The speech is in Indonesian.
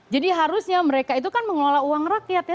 jadi harusnya mereka itu kan mengelola uang rakyat ya